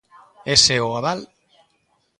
Ese é o aval.